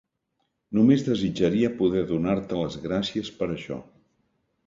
Només desitjaria poder donar-te les gràcies per això.